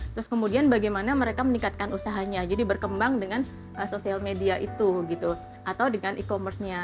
terus kemudian bagaimana mereka meningkatkan usahanya jadi berkembang dengan sosial media itu gitu atau dengan e commerce nya